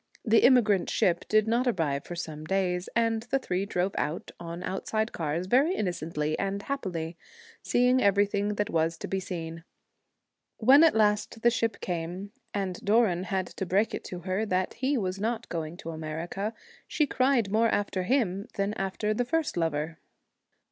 The emigrant ship did not arrive for some days ; and the three drove about on out side cars very innocently and happily, seeing everything that was to be seen. When at last the ship came, and Doran had to break it to her that he was not going to America, she cried more after him than after the first lover.